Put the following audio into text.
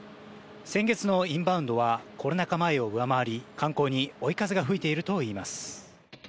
先月のインバウンドはコロナ禍前を上回り、観光に追い風が吹いているといいます。